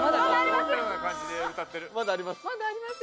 まだあります。